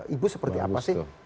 ibu seperti apa sih